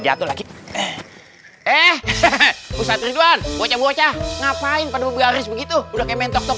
jatuh lagi eh eh ustadz ridwan bocah bocah ngapain pada bergaris begitu udah kayak mentok tok